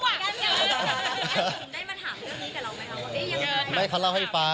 ได้มาถามเรื่องนี้กับเราไม่แล้วมันอยู่ยังไง